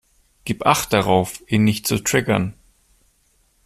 Gib Acht darauf, ihn nicht zu triggern.